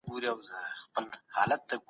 ټولنپوهنه د خلګو تر منځ اړیکو ته لیواله ده.